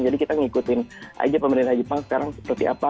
jadi kita ngikutin aja pemerintah jepang sekarang seperti apa